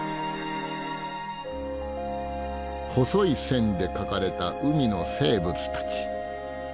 細い線で描かれた海の生物たち。